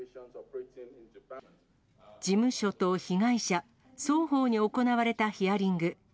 事務所と被害者、双方に行われたヒアリング。